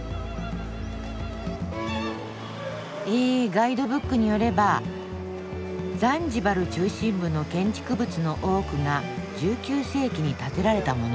えガイドブックによれば「ザンジバル中心部の建築物の多くが１９世紀に建てられたもの」